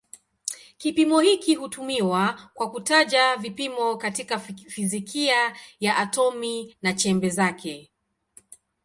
Kipimo hiki hutumiwa kwa kutaja vipimo katika fizikia ya atomi na chembe zake.